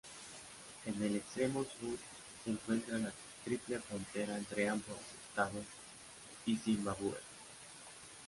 En el extremo sur se encuentra la triple frontera entre ambos estados y Zimbabue.